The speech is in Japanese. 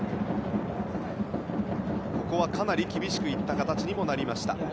かなり厳しく行った形にもなりました。